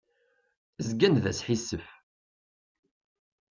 Zgan d asḥissef.